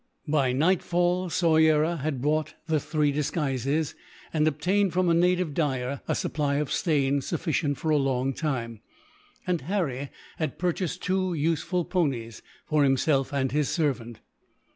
By nightfall, Soyera had bought the three disguises, and obtained from a native dyer a supply of stain sufficient for a long time; and Harry had purchased two useful ponies, for himself and his servant.